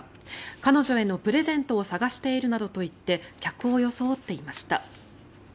彼女へのプレゼントを探しているなどと言って客を装っていました。